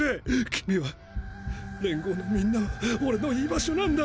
君は連合のみんなは俺の居場所なんだ。